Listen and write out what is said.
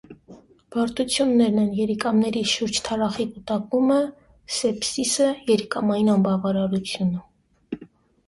Բարդություններն են՝ երիկամների շուրջ թարախի կուտակումը, սեպսիսը, երիկամային անբավարարությունը։